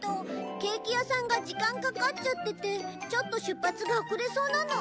ケーキ屋さんが時間かかっちゃっててちょっと出発が遅れそうなの。